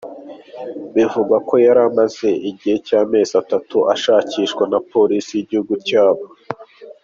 Bivugwa ko yari amaze igihe cy’amezi atanu ashakishwa na polisi y’igihugu.